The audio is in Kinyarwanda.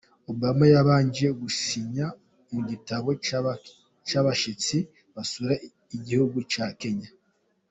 Obama yabanje gusinya mu gitabo cy'abashyitsi basura igihugu cya Kenya.